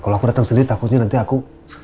kalau aku datang sendiri takutnya nanti aku